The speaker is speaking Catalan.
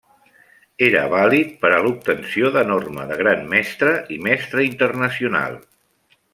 Era vàlid per a l'obtenció de norma de Gran Mestre i Mestre Internacional.